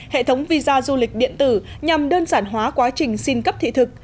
hệ thống visa du lịch điện tử nhằm đơn giản hóa quá trình xin cấp thị thực